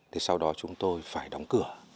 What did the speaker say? thế sau đó chúng tôi phải đóng cửa